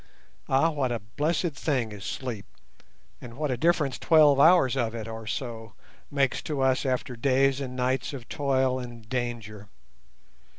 Ah, what a blessed thing is sleep! and what a difference twelve hours of it or so makes to us after days and nights of toil and danger.